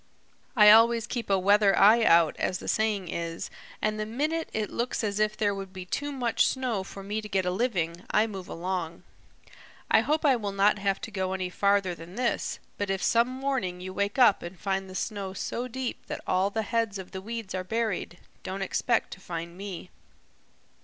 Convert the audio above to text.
I always keep a weather eye out, as the saying is, and the minute it looks as if there would be too much snow for me to get a living, I move along. I hope I will not have to go any farther than this, but if some morning you wake up and find the snow so deep that all the heads of the weeds are buried, don't expect to find me."